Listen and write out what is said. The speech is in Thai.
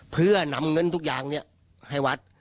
เพื่อนำเงินทุกอย่างให้วัด